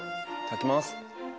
頂きます。